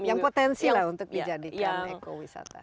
yang potensi lah untuk dijadikan ekowisata